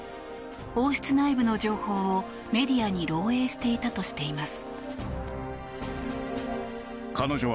王室内部の情報を、メディアに漏洩していたとしています。